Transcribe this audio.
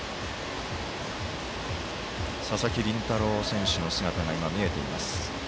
佐々木麟太郎選手の姿が見えていました。